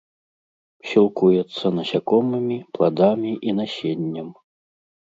Сілкуецца насякомымі, пладамі і насеннем.